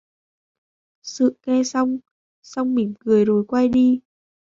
Sự nghe xong, xong mỉm cười rồi quay đi